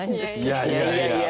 いやいやいやいや。